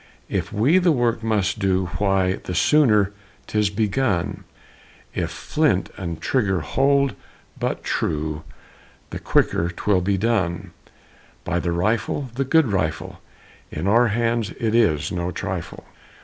If we the work must do, Why, the sooner 'tis begun, If flint and trigger hold but true, The quicker 'twill be done By the rifle, the good rifle! In our hands it is no trifle!